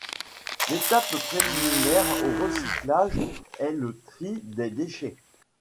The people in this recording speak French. L'étape préliminaire au recyclage est le tri des déchets.